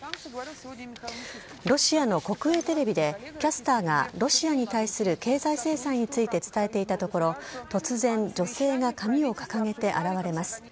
ロシアの国営テレビでキャスターがロシアに対する経済制裁について伝えていたところ、突然、女性が紙を掲げて現れます。